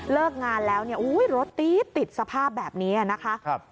เลิกงานแล้วรถติดสภาพแบบนี้นะคะ